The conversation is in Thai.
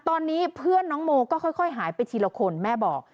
ตอนนี้เพื่อนน้องโมก็ค่อยหายไปทีละคนแม่บอก